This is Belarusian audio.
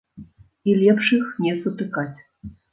І лепш іх не сутыкаць.